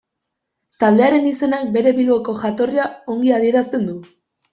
Taldearen izenak bere Bilboko jatorria ongi adierazten du.